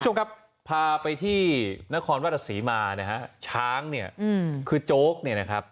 คุณผู้ชมครับพาไปที่นครราชสีมานะฮะช้างเนี่ยคือโจ๊กเนี่ยนะครับ